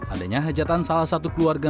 adanya hajatan salah satu keluarga